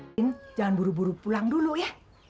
mungkin jangan buru buru pulang dulu ya